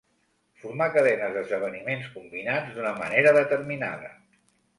Formar cadenes d'esdeveniments combinats d'una manera determinada.